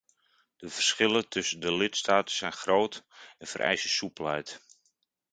De verschillen tussen de lidstaten zijn groot en vereisen soepelheid.